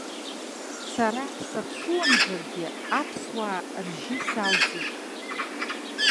Сара саԥсыуамзаргьы, аԥсуаа ржьы салҵит!